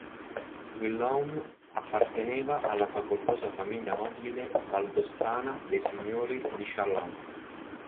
Guillaume apparteneva alla facoltosa famiglia nobile valdostana dei signori di Challant.